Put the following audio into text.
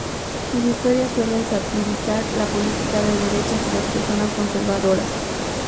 Sus historias suelen satirizar la política de derechas y las personas conservadoras.